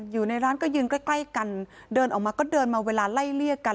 อยู่ในร้านก็ยืนใกล้ใกล้กันเดินออกมาก็เดินมาเวลาไล่เลี่ยกัน